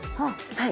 はい。